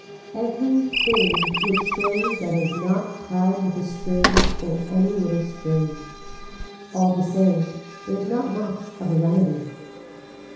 Every thing which shows that is not tied with a string or any little string. All the same there is not much of a remedy.